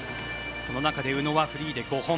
その中で宇野はフリーで５本。